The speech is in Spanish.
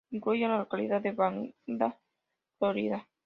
Incluye la localidad de Banda Florida.